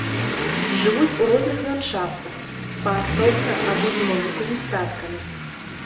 Жывуць у розных ландшафтах, паасобна або невялікімі статкамі.